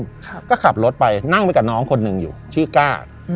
ครับก็ขับรถไปนั่งไปกับน้องคนหนึ่งอยู่ชื่อก้าอืม